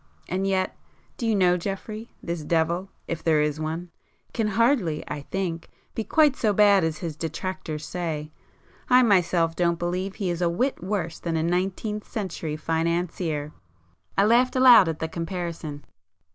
And yet—do you know Geoffrey—this devil,—if there is one,—can hardly, I think, be quite so bad as his detractors say. I myself don't believe he is a whit worse than a nineteenth century financier!" I laughed aloud at the comparison.